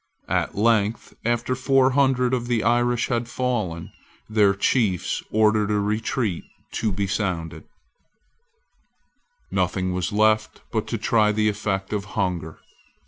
At length, after four hundred of the Irish had fallen, their chiefs ordered a retreat to be sounded, Nothing was left but to try the effect of hunger.